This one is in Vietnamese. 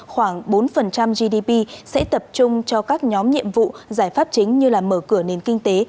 khoảng bốn gdp sẽ tập trung cho các nhóm nhiệm vụ giải pháp chính như là mở cửa nền kinh tế